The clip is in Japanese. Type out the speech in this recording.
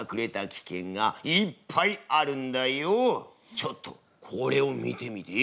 ちょっとこれを見てみて。